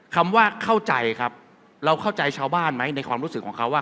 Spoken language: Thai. คำว่าเข้าใจครับเราเข้าใจชาวบ้านไหมในความรู้สึกของเขาว่า